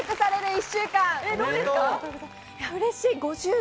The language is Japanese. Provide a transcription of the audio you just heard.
うれしい！